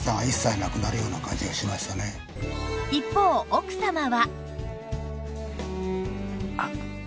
一方奥様は